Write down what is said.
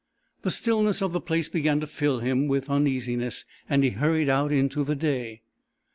The stillness of the place began to fill him with uneasiness, and he hurried out into the day.